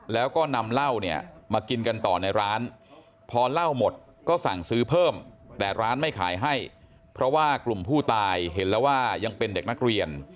แล้วก็นำเหล้าเนี่ยมากินกันต่อในร้านพอเหล้าหมดก็สั่งซื้อเพิ่มแต่ร้านไม่ขายให้เพราะว่ากลุ่มผู้ตายเห็นแล้วว่ายังเป็นเด็กนักเรียน